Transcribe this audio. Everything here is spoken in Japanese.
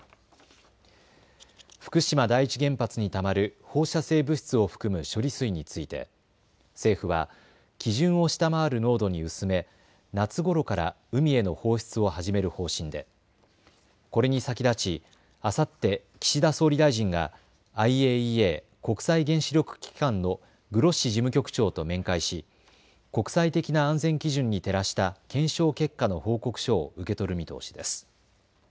福島第一原発にたまる放射性物質を含む処理水について政府は基準を下回る濃度に薄め夏ごろから海への放出を始める方針でこれに先立ち、あさって岸田総理大臣がＩＡＥＡ・国際原子力機関のグロッシ事務局長と面会し国際的な安全基準に照らした検証結果の報告書を受け取る見通しです。